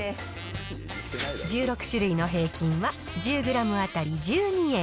１６種類の平均は１０グラム当たり１２円。